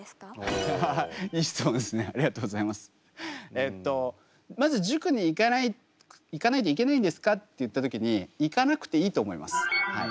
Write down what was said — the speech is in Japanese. えっとまず塾に行かないといけないんですかって言った時に行かなくていいと思いますはい。